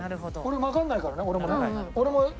わかんないからね俺もね。